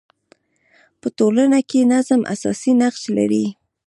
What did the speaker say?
په ټولنه کي نظم اساسي نقش لري.